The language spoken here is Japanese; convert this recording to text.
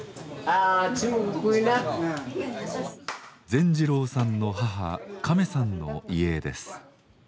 善次郎さんの母カメさんの遺影です。